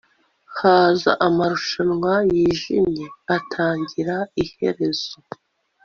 Haza amarushanwa yijimye atagira iherezo